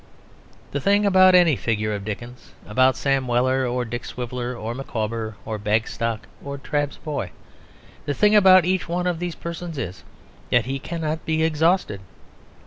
The thing about any figure of Dickens, about Sam Weller or Dick Swiveller, or Micawber, or Bagstock, or Trabb's boy, the thing about each one of these persons is that he cannot be exhausted.